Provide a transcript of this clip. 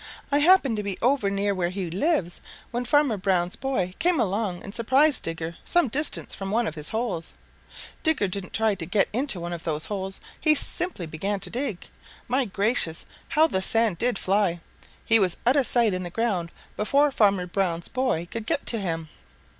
"I happened to be over near where he lives when Farmer Brown's boy came along and surprised Digger some distance from one of his holes. Digger didn't try to get to one of those holes; he simply began to dig. My gracious, how the sand did fly! He was out of sight in the ground before Farmer Brown's boy could get to him.